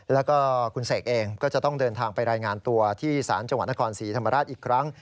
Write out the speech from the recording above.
แล้วก็คุณเสกเองก็จะต้องเดินทางไปรายงานตัวที่ศาลจังหวัดนครศรีธรรมราชอีกครั้ง